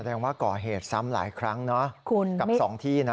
แสดงว่าก่อเหตุซ้ำหลายครั้งนะกับ๒ที่นะ